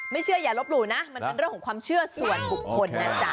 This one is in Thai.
เชื่ออย่าลบหลู่นะมันเป็นเรื่องของความเชื่อส่วนบุคคลนะจ๊ะ